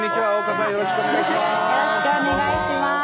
よろしくお願いします！